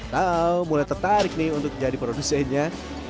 tau mulai tertarik nih untuk jadi produsennya